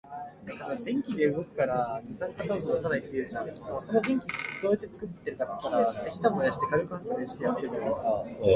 私は大砲です。